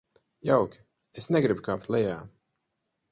Jauki, es negribu kāpt lejā.